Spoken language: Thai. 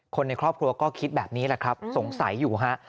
คนในครอบครัวก็คิดแบบนี้แหละครับสงสัยอยู่ฮะ